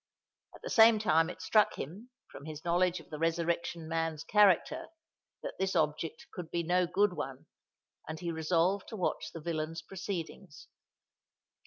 At the same time it struck him, from his knowledge of the Resurrection Man's character, that this object could be no good one; and he resolved to watch the villain's proceedings.